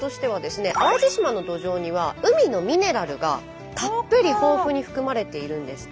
淡路島の土壌には海のミネラルがたっぷり豊富に含まれているんですって。